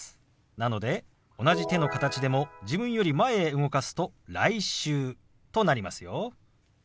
なので同じ手の形でも自分より前へ動かすと「来週」となりますよ。